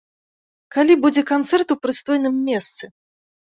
Калі будзе канцэрт у прыстойным месцы?